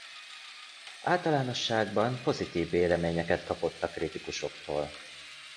Általánosságban pozitív véleményeket kapott a kritikusoktól.